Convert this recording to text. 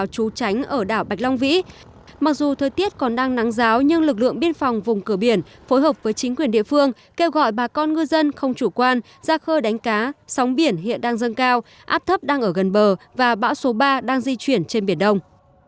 các lực lượng biên phòng vùng cửa biển phối hợp với chính quyền địa phương kêu gọi bà con ngư dân không chủ quan ra khơi đánh cá sóng biển hiện đang dâng cao áp thấp đang ở gần bờ và bão số ba đang di chuyển trên biển đông